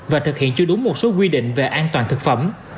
và thực hiện chưa đúng một số quy định về an toàn thực phẩm